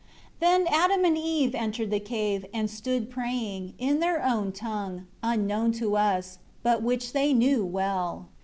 1 Then Adam and Eve entered the cave, and stood praying, in their own tongue, unknown to us, but which they knew well.